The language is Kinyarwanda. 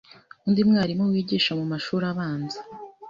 Undi mwalimu wigisha mu mashuri abanza